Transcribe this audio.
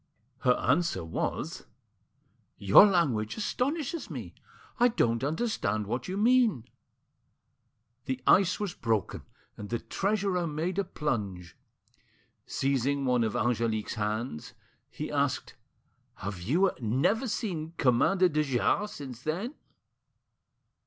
Her answer was— "Your language astonishes me; I don't understand what you mean." The ice was broken, and the treasurer made a plunge. Seizing one of Angelique's hands, he asked— "Have you never seen Commander de Jars since then?"